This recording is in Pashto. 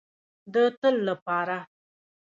د تل لپاره.